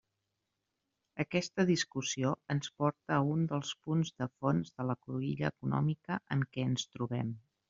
Aquesta discussió ens porta a un dels punts de fons de la cruïlla econòmica en què ens trobem.